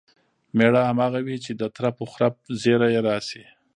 مېړه همغه وي چې د ترپ و خرپ زیري یې راشي.